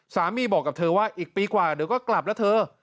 บอกกับเธอว่าอีกปีกว่าเดี๋ยวก็กลับแล้วเธอ